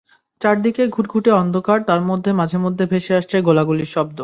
চারদিকে ঘুটঘুটে অন্ধকার, তার মধ্যে মাঝে মধ্যে ভেসে আসছে গোলাগুলির শব্দ।